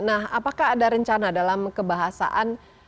nah apakah ada rencana dalam kebahasaan